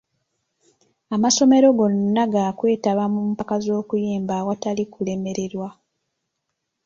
Amasomero gonna ga kwetaba mu mpaka z'okuyimba awatali kulemererwa.